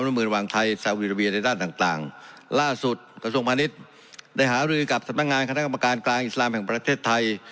นี่ก็คือการคิดที่ไปข้างหน้าในเรื่องที่อยู่ข้างหลังก็แก้ไป